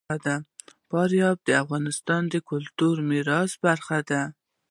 فاریاب د افغانستان د کلتوري میراث برخه ده.